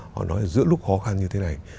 họ nói giữa lúc khó khăn như thế này